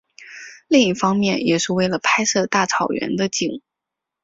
另一方面也是为了拍摄大草原的景。